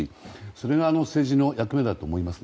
それが政治の役目だと思います。